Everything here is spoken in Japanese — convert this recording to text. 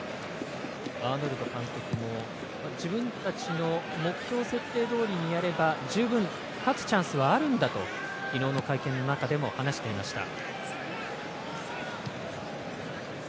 アーノルド監督も自分たちの目標設定どおりにやれば十分、勝つチャンスはあるんだと昨日の会見の中でも話していました。